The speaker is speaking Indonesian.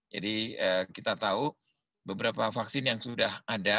jadi kita tahu beberapa vaksin yang sudah ada